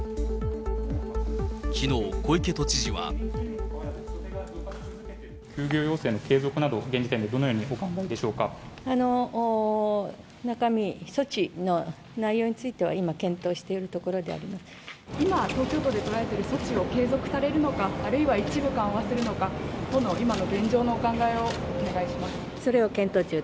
きのう、小池都知事は。休業要請の継続など、現時点でどのようにお考えでしょうか。中身、措置の内容については今、今、東京都で取られている措置を継続されるのか、あるいは一部緩和するのか、都の今の現状のお考えをお願いします。